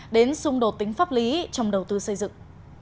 đến xung đột tính pháp lý trong đầu tư xây dựng